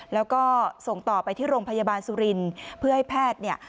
แล้วก็ส่งต่อไปที่โรงพยาบาลสุรินทร์เพื่อให้แพทย์เนี่ย